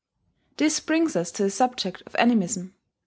This brings us to the subject of Animism.